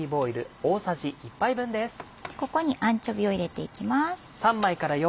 ここにアンチョビーを入れていきます。